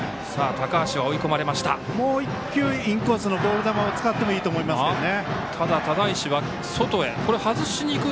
もう１球インコースのボール球を使ってもいいと思いますけどね。